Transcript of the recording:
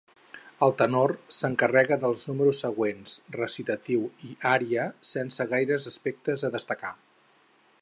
El tenor s'encarrega dels números següents, recitatiu i ària, sense gaires aspectes a destacar.